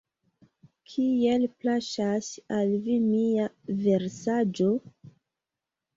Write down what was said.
Kiel plaĉas al vi mia versaĵo?